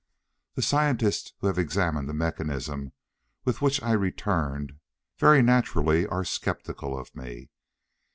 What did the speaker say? The scientists who have examined the mechanism with which I returned very naturally are skeptical of me.